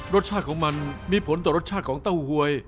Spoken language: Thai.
รสชาติของมันมีผลต่อรสชาติของเต้าหวย